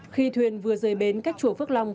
khi thuyền vừa rời bến cách chùa phước long